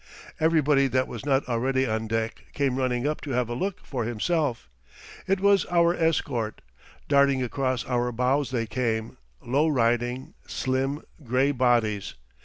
Everybody that was not already on deck came running up to have a look for himself. It was our escort. Darting across our bows they came low riding, slim, gray bodies.